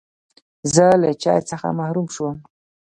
زه له چای څخه محروم شوم.